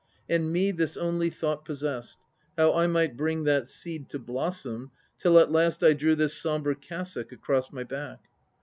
And me this only thought possessed, How I might bring that seed to blossom, till at last I drew this sombre cassock across my back.